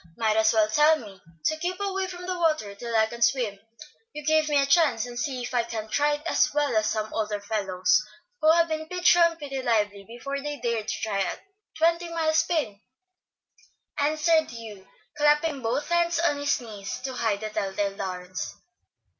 Might as well tell me to keep away from the water till I can swim. You give me a chance and see if I can't ride as well as some older fellows who have been pitched round pretty lively before they dared to try a twenty mile spin," answered Hugh, clapping both hands on his knees to hide the tell tale darns.